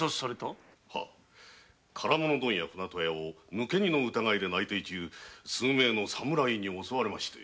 唐物問屋・船渡屋を抜け荷の疑いで内偵中数名の侍に襲われまして。